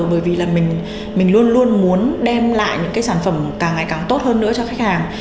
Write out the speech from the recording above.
bởi vì là mình luôn luôn muốn đem lại những cái sản phẩm càng ngày càng tốt hơn nữa cho khách hàng